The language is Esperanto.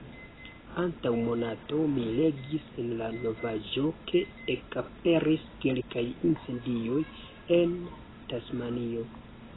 Antaŭ monato, mi legis en la novaĵo ke ekaperis kelkaj incendioj en Tasmanio.